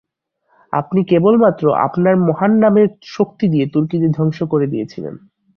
আপনি কেবলমাত্র আপনার মহান নামের শক্তি দিয়ে তুর্কিদের ধ্বংস করে দিয়েছিলেন।